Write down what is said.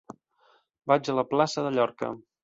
Vaig a la plaça de Llorca.